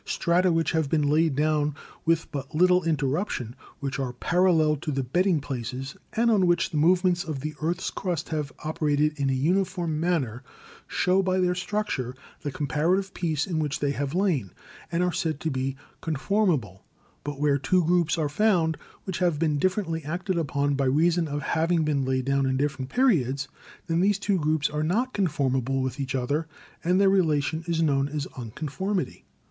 Strata which have been laid down with but little inter ruption, which are parallel to the bedding places, and on which the movements of the earth's crust have operated in a uniform manner, show by their structure the com parative peace in which they have lain, and are said to be 'conformable'; but where two groups are found which STRUCTURAL GEOLOGY i?i have been differently acted upon by reason of having been laid down in different periods, then these two groups are not conformable with each other, and their relation is known as 'unconformity.'